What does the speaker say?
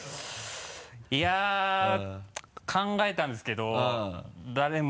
いや考えたんですけど誰も。